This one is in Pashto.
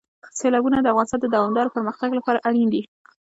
سیلابونه د افغانستان د دوامداره پرمختګ لپاره اړین دي.